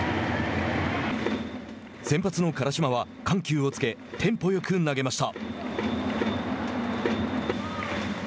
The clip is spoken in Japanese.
先発の辛島は緩急をつけテンポよく投げました。